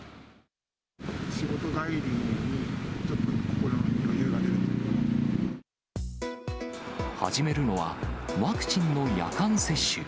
仕事帰りにちょっと行けるかもなって、始めるのは、ワクチンの夜間接種。